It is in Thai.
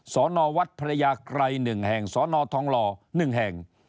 สอนอวัดพระยาไกร๑แห่งสอนอทองลอ๑แห่ง